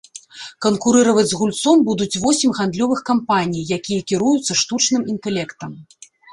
Канкурыраваць з гульцом будуць восем гандлёвых кампаній, якія кіруюцца штучным інтэлектам.